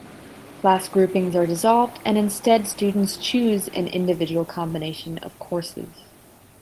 Class groupings are dissolved and instead students choose an individual combination of courses.